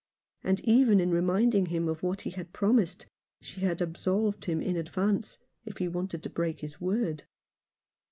And even in reminding him of what he had promised she absolved him in advance, if he wanted to break his word.